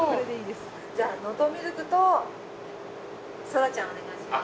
じゃ、能登ミルクと宙ちゃんお願いします。